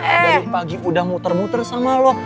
oh dari pagi udah muter muter sama lo